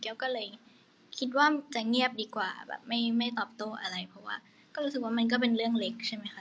ก็เลยคิดว่าจะเงียบดีกว่าแบบไม่ตอบโต้อะไรเพราะว่าก็รู้สึกว่ามันก็เป็นเรื่องเล็กใช่ไหมคะ